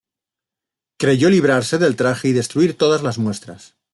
Creyó librarse del traje y destruir todas las muestras.